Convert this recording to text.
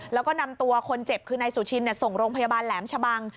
แล้วก็นำตัวคนเจ็บคือนายสุชินส่งโรงพยาบาลแหลมชะบัง